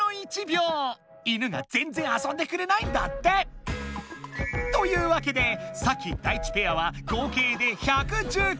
犬がぜんぜん遊んでくれないんだって！というわけでサキ・ダイチペアは合計で１１９。